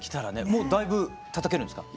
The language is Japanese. もうだいぶたたけるんですか？